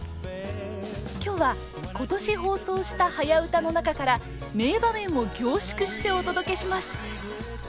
今日は今年放送した「はやウタ」の中から名場面を凝縮してお届けします。